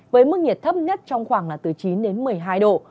với mức nhiệt thấp nhất trong khoảng là từ chín đến một mươi hai độ